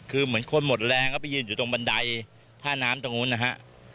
คือเหมือนคนหมดแรงก็ไปยืนอยู่ตรงบันไดท่าน้ำตรงนู้นนะฮะ